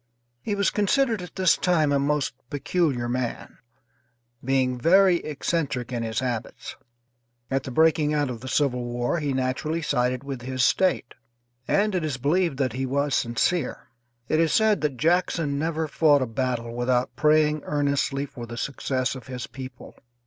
He was considered at this time a most peculiar man, being very eccentric in his habits. At the breaking out of the civil war he naturally sided with his State, and it is believed that he was sincere. It is said that Jackson never fought a battle without praying earnestly for the success of his people.